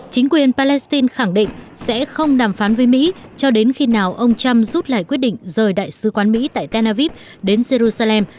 chính quyền palestine khẳng định sẽ không đàm phán với mỹ cho đến khi nào ông trump rút lại quyết định rời đại sứ quán mỹ tại tel aviv đến jerusalem